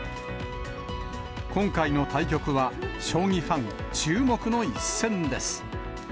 今回の対局は将棋ファン注目の一戦です。